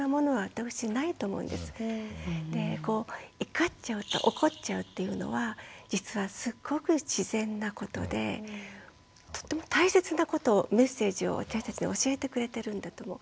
怒っちゃうと怒っちゃうっていうのは実はすごく自然なことでとっても大切なことをメッセージを私たちに教えてくれてるんだと思う。